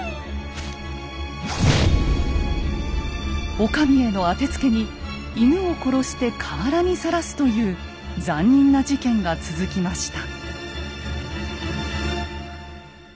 お上への当てつけに犬を殺して河原にさらすという残忍な事件が続きました。